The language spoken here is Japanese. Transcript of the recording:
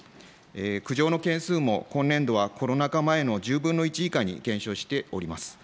苦情の件数も、今年度はコロナ禍前の１０分の１以下に減少しております。